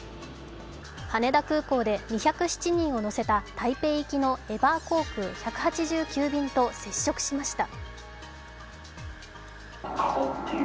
羽田空港で２０７人を乗せた台北行きのエバー航空１８９便と接触しました。